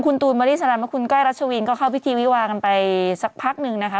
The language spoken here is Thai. คุณตูนบริษันและคุณก้อยรัชวินก็เข้าพิธีวิวากันไปสักพักหนึ่งนะคะ